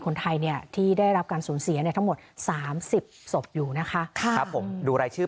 คนไทยเนี่ยที่ได้รับการสูญเสียเนี่ยทั้งหมด๓๐ศพอยู่นะคะครับผมดูรายชื่อ